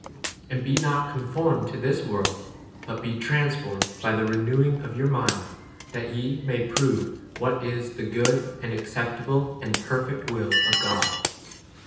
And be not conformed to this world, but be transformed by the renewing of yourP mind, that ye may prove * what [is] the good and acceptable and perfect will of 3 God.